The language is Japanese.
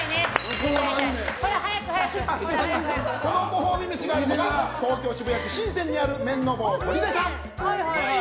そのご褒美飯があるのが東京・渋谷区神泉にある麺の坊砦さん。